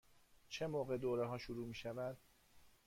چه موقع دوره ها شروع می شود؟